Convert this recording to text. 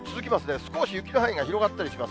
少し雪の範囲が広がったりします。